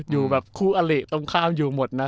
อยู่แบบคู่อลิตรงข้าวอยู่หมดนะ